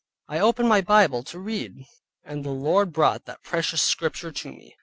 I opened my Bible to read, and the Lord brought that precious Scripture to me.